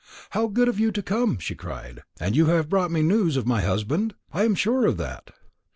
"How good of you to come!" she cried. "And you have brought me news of my husband? I am sure of that."